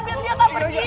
biar dia nggak pergi